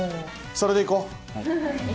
それでいこう！